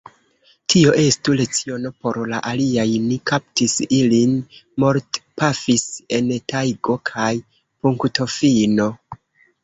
Tio estu leciono por la aliaj: ni kaptis ilin, mortpafis en tajgo, kaj punktofino!